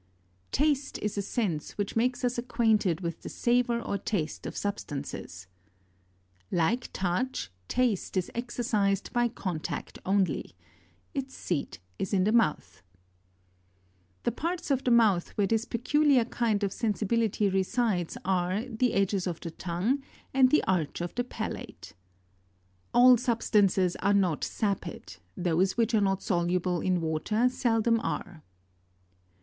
19. Taste is a sense which makes us acquainted with the savor or taste of substances 20. Like touch, taste is exercised by contact only. Its seat is in the mouth. 21. The parts of the mouth where this peculiar kind of sensi bility resides are, the edges of the tongue and the arch of the palate. 22. All substances are not sapid ; those which are not soluble in water seldom are.